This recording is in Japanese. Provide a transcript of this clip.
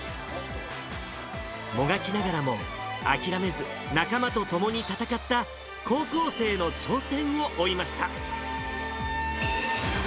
もがきながらも、諦めず、仲間と共に戦った高校生の挑戦を追いました。